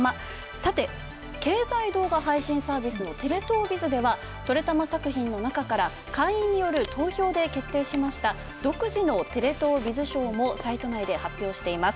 さて、経済動画配信サービスのテレ東ＢＩＺでは「トレたま」作品の中から会員による投票で決定しました、独自のテレ東ＢＩＺ賞もサイト内で発表しています。